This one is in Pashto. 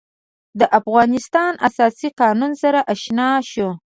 د افغانستان د اساسي قانون سره آشنا شو.